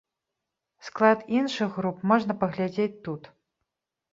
Склад іншых груп можна паглядзець тут.